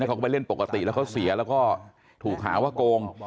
เขาก็ไปเล่นปกติแล้วเขาเสียแล้วก็ถูกหาว่าโกง